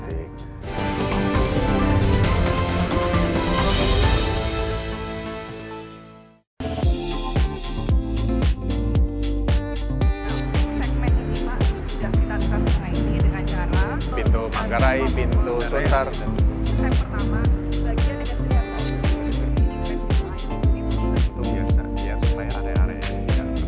segmen ini maksudnya kita bisa mengaiti dengan cara pintu menggerai pintu contar